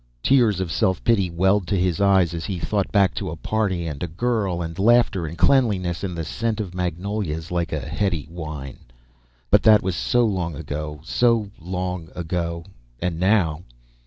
Tears of self pity welled to his eyes as he thought back to a party and a girl and laughter and cleanliness and the scent of magnolias, like a heady wine. But that was so long ago so long ago and now....